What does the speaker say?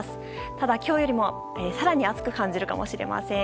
ただ、今日よりも更に暑く感じるかもしれません。